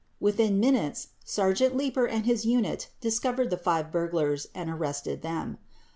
Within minutes, Sergeant Leeper and his unit discovered the five burglars and arrested them.